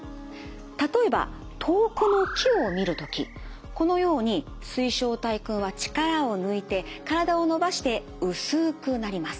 例えば遠くの木を見る時このように水晶体くんは力を抜いて体を伸ばして薄くなります。